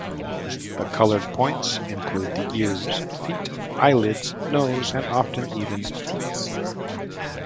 The coloured points include the ears, feet, eyelids, nose and often even teats.